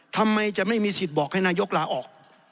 ทำไมจะไม่มีสิทธิ์บอกให้นายกลาออก